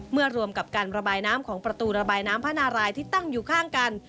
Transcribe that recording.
รวมกับการระบายน้ำของประตูระบายน้ำพระนารายที่ตั้งอยู่ข้างกัน